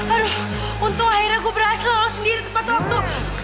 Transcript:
aduh untung akhirnya gue berhasil lolos sendiri tempat waktu